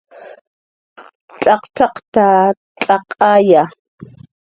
"cx""aqcx""aqta, cx'aqaya"